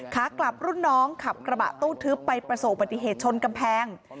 ขากลับรุ่นน้องขับกระบะตู้ทึบไปประสบปฏิเหตุชนกำแพง